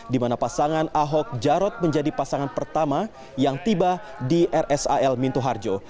di mana pasangan ahok jarot menjadi pasangan pertama yang tiba di rsal minto harjo